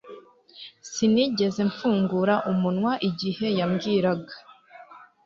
Sinigeze mfungura umunwa igihe yambwiraga